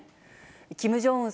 キム・ジョンウン